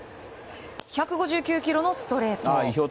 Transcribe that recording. １５９キロのストレート。